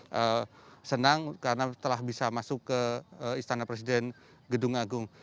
saya senang karena telah bisa masuk ke istana presiden gedung agung